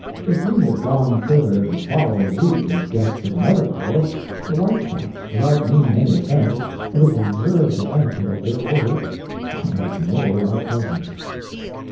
If we had gone thither the following week as guests of another corps, the white caps, without meaning any offense, would have observed the etiquette of their order and ignored our presence.